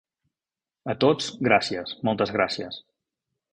A tots, gràcies, moltes gràcies.